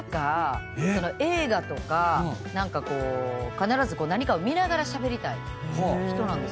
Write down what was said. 必ず何かを見ながらしゃべりたい人なんですよ。